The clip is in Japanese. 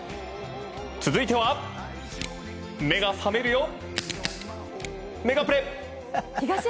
続いては目が覚めるよ、メガプレ。